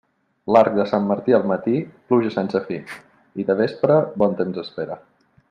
L'arc de Sant Martí al matí, pluja sense fi, i de vespre, bon temps espera.